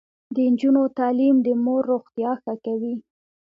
د نجونو تعلیم د مور روغتیا ښه کوي.